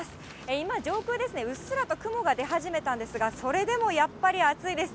今、上空ですね、うっすらと雲が出始めているんですが、それでもやっぱり暑いです。